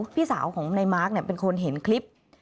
มีของมาร์คเป็นคนเห็นคลิป